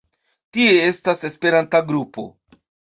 Tie estas esperanta grupo.